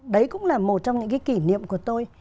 đấy cũng là một trong những cái kỷ niệm của tôi